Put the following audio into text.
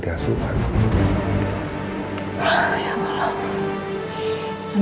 dia beli dari pantai asuhan